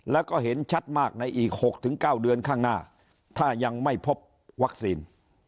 แล้วก็เห็นชัดมากในอีก๖๙เดือนข้างหน้าถ้ายังไม่พบวัคซีน